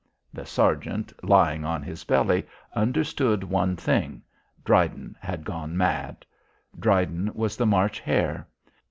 The sergeant lying on his belly, understood one thing. Dryden had gone mad. Dryden was the March Hare.